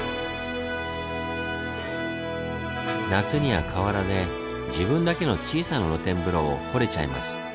夏には河原で自分だけの小さな露天風呂を掘れちゃいます。